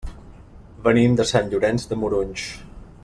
Venim de Sant Llorenç de Morunys.